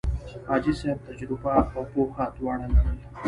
حاجي صاحب تجربه او پوه دواړه لرل.